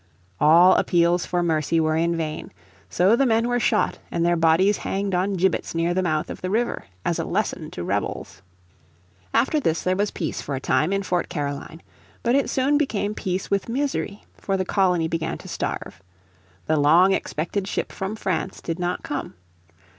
All appeals for mercy were in vain. So the men were shot and their bodies hanged on gibbets near the mouth of the river as a lesson to rebels. After this there was peace for a time in Fort Caroline. But it soon became peace with misery, for the colony began to starve. The long expected ship from France did not come.